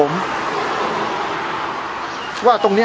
เมื่อ